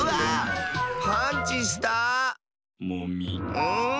うん！